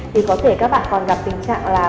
thì có thể các bạn còn gặp tình trạng là